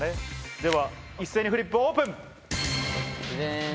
では一斉にフリップオープン。